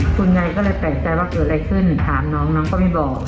คุณยายก็เลยแปลกใจว่าเกิดอะไรขึ้นถามน้องน้องก็ไม่บอก